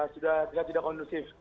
sudah tidak kondusif